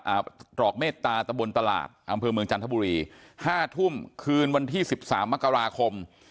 ตรอกเมตตาตะบนตลาดอำเภอเมืองจันทบุรีห้าทุ่มคืนวันที่สิบสามมกราคม